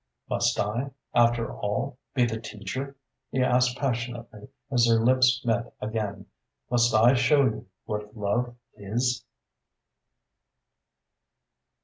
"Must I, after all, be the teacher?" he asked passionately, as their lips met again. "Must I show you what love is?"